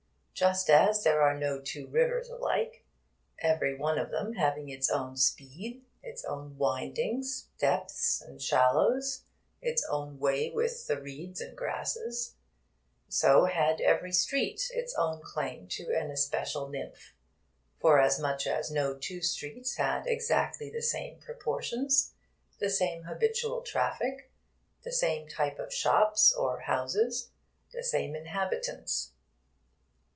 Just as there were no two rivers alike, every one of them having its own speed, its own windings, depths, and shallows, its own way with the reeds and grasses, so had every street its own claim to an especial nymph, forasmuch as no two streets had exactly the same proportions, the same habitual traffic, the same type of shops or houses, the same inhabitants.